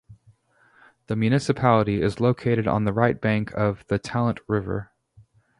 The municipality is located on the right bank of the Talent river.